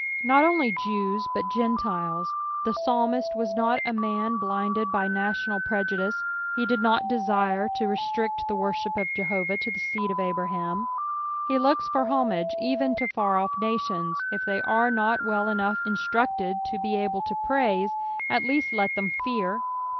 Not only Jews, but Gentiles. The psalmist was not a man blinded by national prejudice, he did not desire to restrict the worship of Jehovah to the seed of Abraham. He looks for tiomngo even to far oS nations. If they are not well enough instructed to be able to praise, ,glc 118 EXPOSITIONS OF THE PSALH3. at leftEt let them fear.